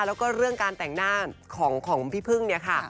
แล้วก็เรื่องการแต่งหน้าของพี่พึ่งเนี่ยค่ะ